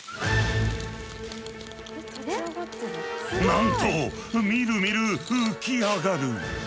なんとみるみる浮き上がる！